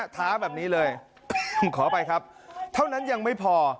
ท้าแบบนี้เลยขออภัยครับเท่านั้นยังไม่พอ